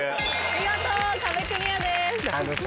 見事壁クリアです。